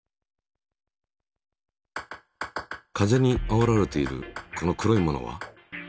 風にあおられているこの黒いものは？